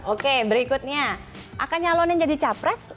oke berikutnya akan nyalonin jadi capres